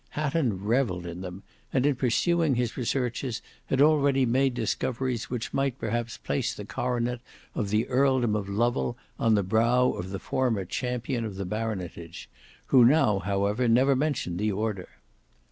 Hatton revelled in them, and in pursuing his researches, had already made discoveries which might perhaps place the coronet of the earldom of Lovel on the brow of the former champion of the baronetage, who now however never mentioned the Order.